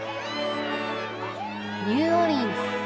ニューオーリンズ。